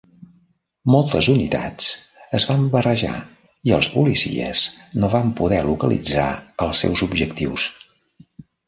Moltes unitats es van barrejar i els policies no van poder localitzar els seus objectius.